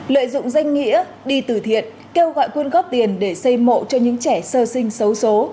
lợi dụng danh nghĩa đi từ thiện kêu gọi quyên góp tiền để xây mộ cho những trẻ sơ sinh xấu số